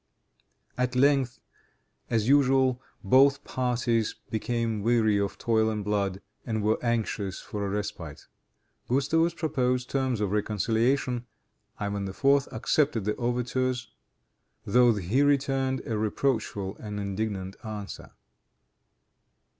At length, as usual, both parties became weary of toil and blood, and were anxious for a respite. Gustavus proposed terms of reconciliation. Ivan IV. accepted the overtures, though he returned a reproachful and indignant answer.